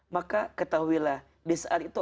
maka ketahuilah di saat itu